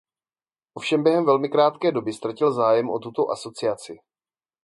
Ovšem během velmi krátké doby ztratil zájem o tuto asociaci.